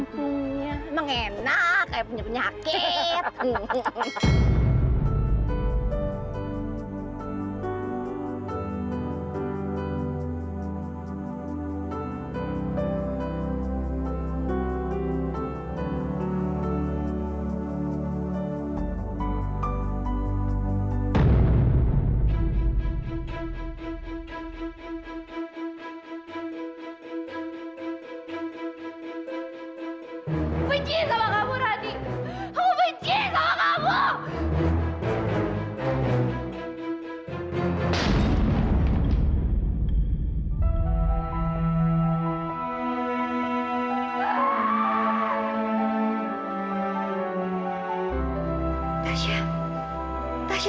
saya datang kesini gak lebih dari saya peduli sama tasya